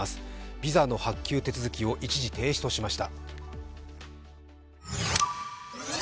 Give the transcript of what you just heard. ビザの発給手続きを一時停止としました。